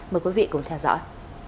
mời quý vị cùng theo dõi